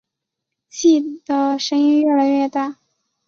气的声音越来越大